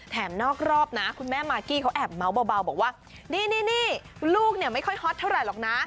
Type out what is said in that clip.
นอกรอบนะคุณแม่มากกี้เขาแอบเมาส์เบาบอกว่านี่ลูกเนี่ยไม่ค่อยฮอตเท่าไหร่หรอกนะ